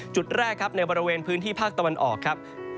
จุดแรกครับในบริเวณพื้นที่ภาคตะวันออกครับ